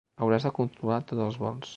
Hauràs de controlar tots els vols.